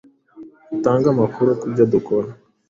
Dutange amakuru ku byo dukora